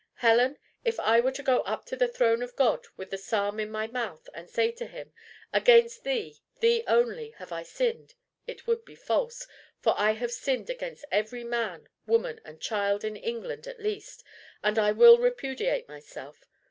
Helen, if I were to go up to the throne of God with the psalm in my mouth, and say to him, 'Against thee, thee only, have I sinned,' it would be false; for I have sinned against every man, woman, and child in England at least, and I will repudiate myself.